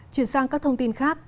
chuyển sang các thông tin khác